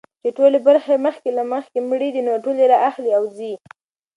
چي ټولي برخي مخکي له مخکي مړې دي نو ټولي را اخلي او ځي.